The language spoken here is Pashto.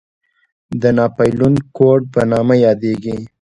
د ناپلیون کوډ په نامه یادېږي.